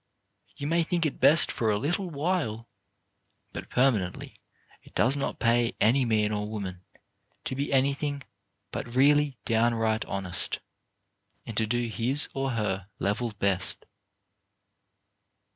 You may think it best for a little while, but per manently it does not pay any man or woman to be anything but really, downright honest, and to do his or her level best.